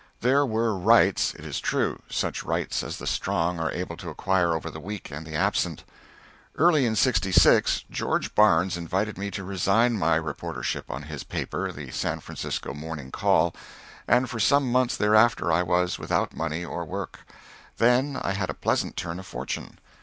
There were rights, it is true such rights as the strong are able to acquire over the weak and the absent. Early in '66 George Barnes invited me to resign my reportership on his paper, the San Francisco "Morning Call," and for some months thereafter I was without money or work; then I had a pleasant turn of fortune.